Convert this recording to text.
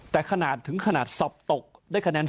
แต่ถึงขนาดสอบตกได้คะแนน๐